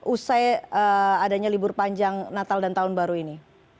usai adanya libur panjang natal dan tahun baru ini